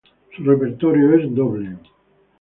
Su repertorio es doble.